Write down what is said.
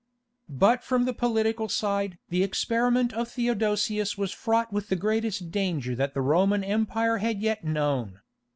_) But from the political side the experiment of Theodosius was fraught with the greatest danger that the Roman Empire had yet known.